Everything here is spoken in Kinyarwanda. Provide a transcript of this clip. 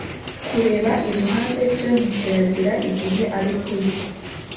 Kureba iruhande byo ni kirazira igihe ari kurya